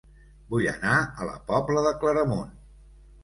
Vull anar a La Pobla de Claramunt